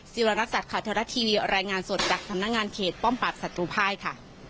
วรรักษัตริย์ข่าวเทวรัฐทีวีรายงานสดจากสำนักงานเขตป้อมปราบศัตรูภายค่ะ